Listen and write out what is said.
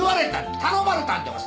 頼まれたんでおます！